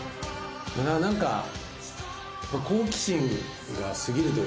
何か好奇心が過ぎるというかね。